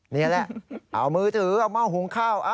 นี่แหละเอามือถือเอาหม้อหุงข้าว